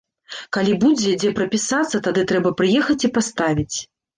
Калі будзе, дзе прапісацца, тады трэба прыехаць і паставіць.